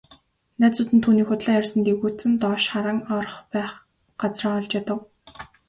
Найзууд нь түүнийг худлаа ярьсанд эвгүйцэн доош харан орох байх газраа олж ядав.